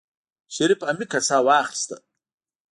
شريف عميقه سا واخيسته.